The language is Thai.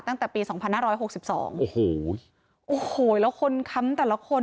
ตั้งแต่ปี๒๕๖๒แล้วคนค้ำแต่ละคน